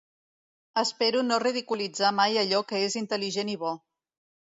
Espero no ridiculitzar mai allò que és intel·ligent i bo.